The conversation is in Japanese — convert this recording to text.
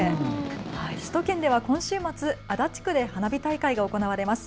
首都圏では今週末、足立区で花火大会が行われます。